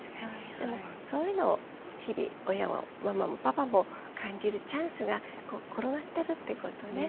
でもそういうのを日々親もママもパパも感じるチャンスが転がってるってことね。